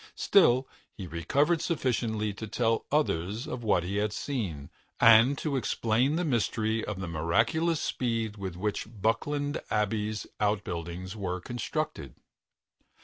Still, he recovered sufficiently to tell others of what he had seen, and to explain the mystery of the miraculous speed with which Buckland Abbey's outbuildings were constructed.